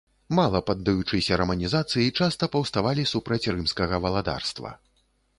Мала паддаючыся раманізацыі, часта паўставалі супраць рымскага валадарства.